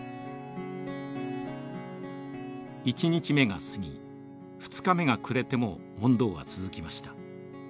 １日目が過ぎ２日目が暮れても問答は続きました。